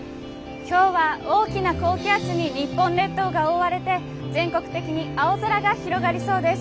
今日は大きな高気圧に日本列島が覆われて全国的に青空が広がりそうです。